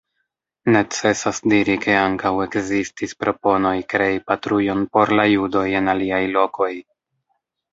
Necesas diri ke ankaŭ ekzistis proponoj krei patrujon por la judoj en aliaj lokoj.